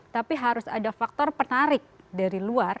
tapi harus ada faktor penarik dari luar